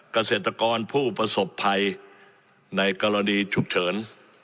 เกษตรกรผู้ประสบภัยในกรณีฉุกเฉิน